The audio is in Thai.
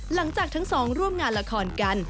หลังจากทั้งสองร่วมงานละครกัน